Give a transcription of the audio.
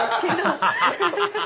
ハハハハハ！